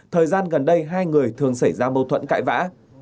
thời gian gần đây hai người thường xảy ra mâu thuẫn cãi vã